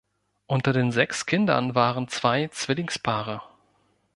Unter den sechs Kindern waren zwei Zwillingspaare.